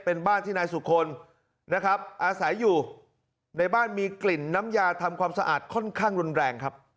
เป็นบ้านที่นายสุคลนะครับอาศัยอยู่ในบ้านมีกลิ่นน้ำยาทำความสะอาดค่อนข้างรุนแรงครับ